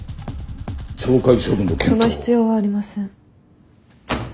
その必要はありません。